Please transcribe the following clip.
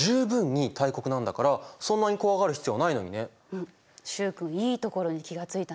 でもさ習君いいところに気が付いたね。